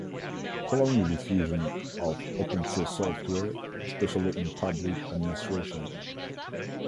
Following the diffusion of Open Source software, especially in Public Administration.